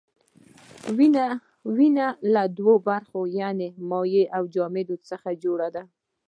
وینه له دوو برخو یعنې مایع او جامد څخه جوړه ده.